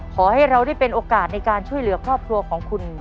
ขอให้เราได้เป็นโอกาสในการช่วยเหลือครอบครัวของคุณ